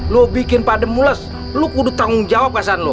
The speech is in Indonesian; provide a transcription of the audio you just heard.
lo bikin padem mulas lo kudu tanggung jawab krasan lo